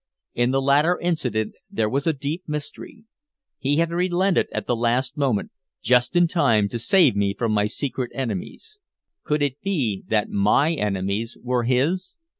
In the latter incident there was a deep mystery. He had relented at the last moment, just in time to save me from my secret enemies. Could it be that my enemies were his?